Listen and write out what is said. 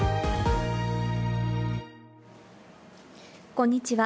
こんにちは。